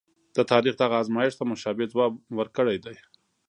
د تاریخ دغه ازمایښت ته مشابه ځواب ورکړی دی.